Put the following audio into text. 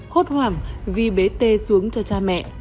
hốt hoảng vi bế t xuống cho cha mẹ